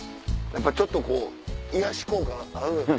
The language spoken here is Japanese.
やっぱちょっとこう癒やし効果あるね